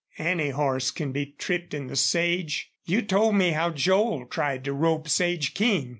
"Any horse can be tripped in the sage. You told me how Joel tried to rope Sage King.